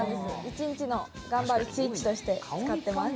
一日の頑張るスイッチとして使っております。